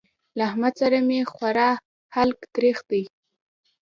له احمد سره مې خورا حلق تريخ دی.